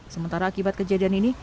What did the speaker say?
sementara akibat kejadian ini